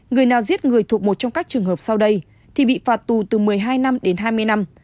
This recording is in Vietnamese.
người nào giết người thuộc một trong các trường hợp sau đây thì bị phạt tù từ một mươi hai năm đến hai mươi năm